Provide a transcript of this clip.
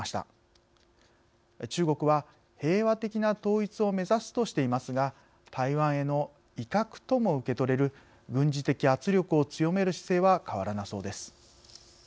中国は平和的な統一を目指すとしていますが台湾への威嚇とも受け取れる軍事的圧力を強める姿勢は変わらなさそうです。